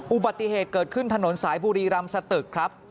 อุบัติเหตุเกิดขึ้นถนนสายบุรีรำสตึกครับ